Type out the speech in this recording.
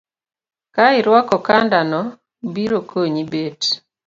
Ka irwako okanda no, biro konyi bet